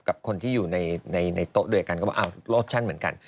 กับคนที่อยู่ในโต๊ะด้วยกันก็บอกโลชั่นเหมือนกัน